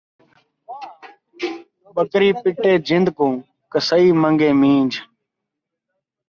ٻکری پٹے جند کوں، قصائی منگے مینجھ